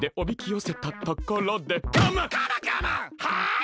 はい！